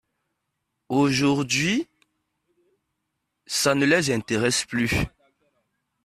Aujourd’hui, ça ne les intéresse plus.